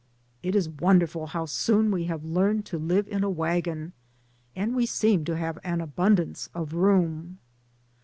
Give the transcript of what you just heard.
It is wonderful how soon we have learned to live in a wagon, and we seem to have an abundance of room.